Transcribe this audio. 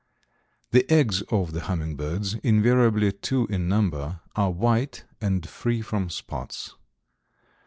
The eggs of the hummingbirds, invariably two in number, are white and free from spots.